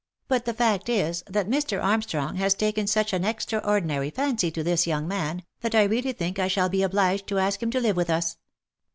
But the fact is, that Mr. Armstrong has taken such an extraordinary' fancy to this young man, that I really think I shall be obliged to ask him to live with us.